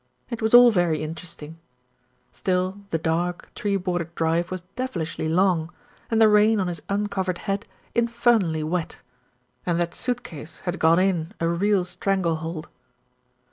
It was all very interesting; still the dark, tree bordered drive was devilishly long, and the rain on his uncovered head infernally wet, and that suit case had got in a real strangle hold.